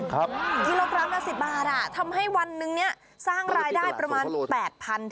กิโลกรัมละ๑๐บาททำให้วันนึงเนี่ยสร้างรายได้ประมาณ๘๐๐บาท